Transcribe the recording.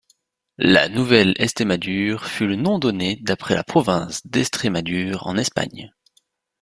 La Nouvelle-Estémadure fut le nom donné d'après la province d'Estrémadure en Espagne.